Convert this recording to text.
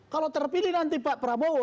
kalau terpilih nanti pak prabowo